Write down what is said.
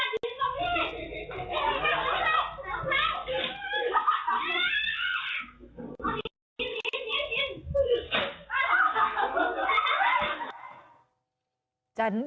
เอาหยิ้นหยิ้นหยิ้น